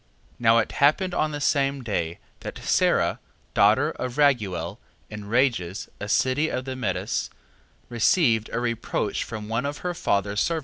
3:7. Now it happened on the same day, that Sara daughter of Raguel, in Rages a city of the Medes, received a reproach from one of her father's servant maids, Rages...